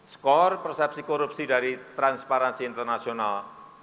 skor persepsi korupsi dari transparansi internasional